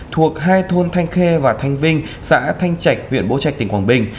thuộc hai thôn thanh khê và thanh vinh xã thanh chạch huyện bố chạch tỉnh quảng bình